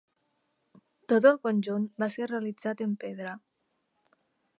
Tot el conjunt va ser realitzat en pedra.